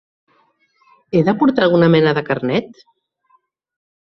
He de portar alguna mena de carnet?